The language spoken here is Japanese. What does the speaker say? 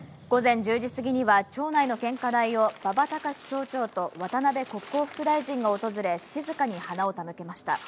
午前１０時過ぎには町内の献花台を馬場隆町長と渡辺国交副大臣が訪れ、静かに花を手向けました。